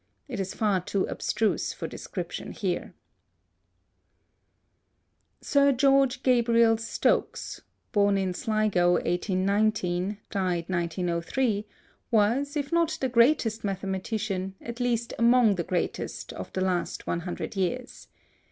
It is far too abstruse for description here. Sir George Gabriel Stokes (born in Sligo 1819, d. 1903) was, if not the greatest mathematician, at least among the greatest, of the last hundred years.